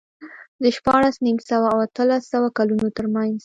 د شپاړس نیم سوه او اتلس سوه کلونو ترمنځ